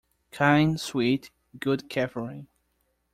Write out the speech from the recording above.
Kind, sweet, good Catherine!